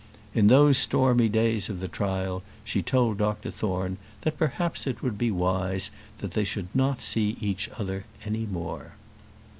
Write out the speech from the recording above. In those stormy days of the trial she told Dr Thorne that perhaps it would be wise that they should not see each other any more.